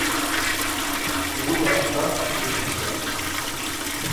Уыла ахъахь уыджьымса.